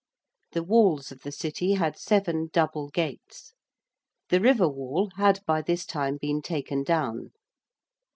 The walls of the City had seven double gates. The river wall had by this time been taken down.